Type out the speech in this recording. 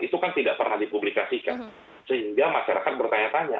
itu kan tidak pernah dipublikasikan sehingga masyarakat bertanya tanya